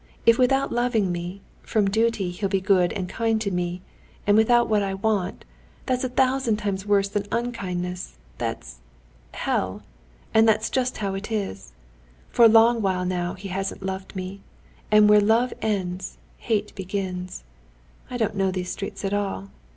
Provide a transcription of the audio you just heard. If without loving me, from duty he'll be good and kind to me, without what I want, that's a thousand times worse than unkindness! That's—hell! And that's just how it is. For a long while now he hasn't loved me. And where love ends, hate begins. I don't know these streets at all.